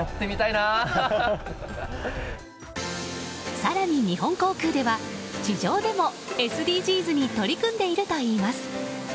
更に、日本航空では地上でもＳＤＧｓに取り組んでいるといいます。